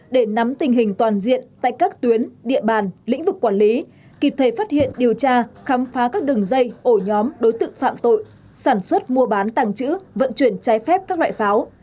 để nắm tình hình toàn diện tại các tuyến địa bàn lĩnh vực quản lý kịp thời phát hiện điều tra khám phá các đường dây ổ nhóm đối tượng phạm tội sản xuất mua bán tàng trữ vận chuyển trái phép các loại pháo